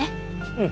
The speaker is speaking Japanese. うん。